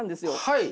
はい。